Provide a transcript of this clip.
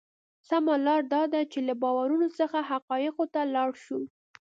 سمه لار دا ده چې له باورونو څخه حقایقو ته لاړ شو.